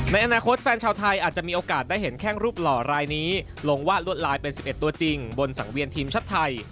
ในอนาคตแฟนชาวไทยอาจจะมีโอกาสได้เห็นแข้งรูปหล่อรายนี้ลงวาดลวดลายเป็น๑๑ตัวจริงบนสังเวียนทีมชาติไทย